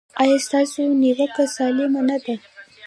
ایا ستاسو نیوکه سالمه نه ده؟